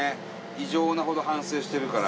異常なほど反省してるから。